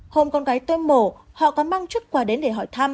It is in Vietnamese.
hôm con gái tôi mổ họ có mang chúc quà đến để hỏi thăm